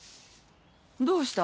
どうした？